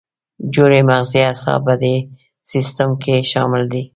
جوړې مغزي اعصاب په دې سیستم کې شامل دي.